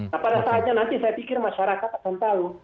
nah pada saatnya nanti saya pikir masyarakat akan tahu